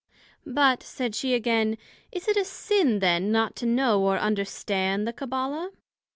But, said she again, Is it a sin then not to know or understand the Cabbala?